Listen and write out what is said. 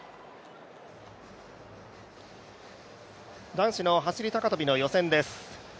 男子の走高跳の予選です。